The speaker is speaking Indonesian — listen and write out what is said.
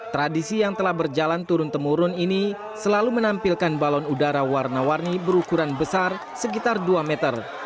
tradisi yang telah berjalan turun temurun ini selalu menampilkan balon udara warna warni berukuran besar sekitar dua meter